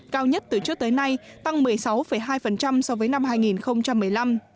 cao nhất từ trước tới nay tăng một mươi sáu hai so với năm hai nghìn một mươi năm